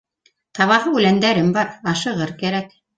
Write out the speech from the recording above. Табаһы үләндәрем бар, ашығыр кәрәк.